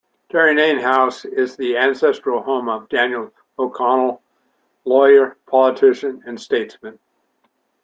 Derrynane House is the ancestral home of Daniel O'Connell, lawyer, politician and statesman.